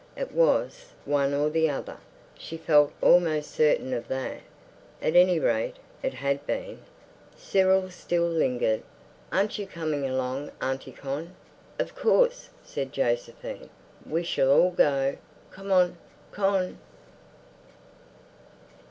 It was one or the other, she felt almost certain of that. At any rate, it had been. Cyril still lingered. "Aren't you coming along, Auntie Con?" "Of course," said Josephine, "we shall all go. Come on, Con."